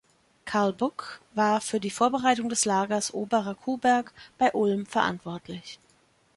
Karl Buck war für die Vorbereitung des Lagers Oberer Kuhberg bei Ulm verantwortlich.